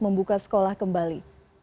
membuka sekolah kembali